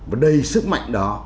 và đầy sức mạnh đó